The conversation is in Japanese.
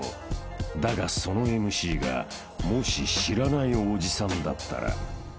［だがそのＭＣがもし知らないオジさんだったら］